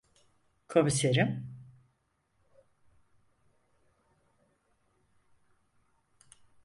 Komiserim?